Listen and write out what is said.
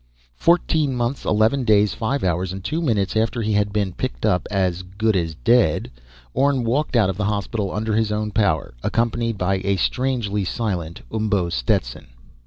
Fourteen months, eleven days, five hours and two minutes after he had been picked up "as good as dead," Orne walked out of the hospital under his own power, accompanied by a strangely silent Umbo Stetson.